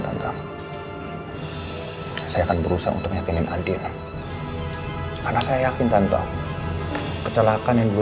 tante saya akan berusaha untuk yakin adina karena saya yakin tante kecelakaan yang dulu